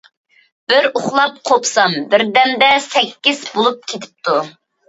بىر ئۇخلاپ قوپسام، بىردەمدە سەككىز بولۇپ كېتىپتۇ.